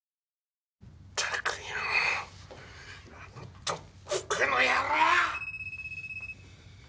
ったくよぉあの特服の野郎！